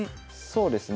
そうですね。